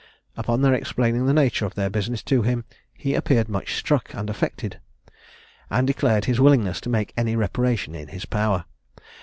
Upon their explaining the nature of their business to him, he appeared much struck and affected, and declared his willingness to make any reparation in his power.